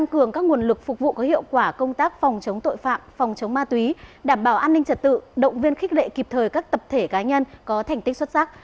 cảnh tỉnh trật tự động viên khích lệ kịp thời các tập thể cá nhân có thành tích xuất sắc